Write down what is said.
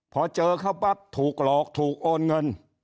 พอเจอเขาปั๊บถูกหลอกถูกโอนเงิน